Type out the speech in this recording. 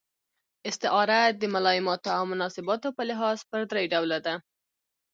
استعاره د ملایماتو او مناسباتو په لحاظ پر درې ډوله ده.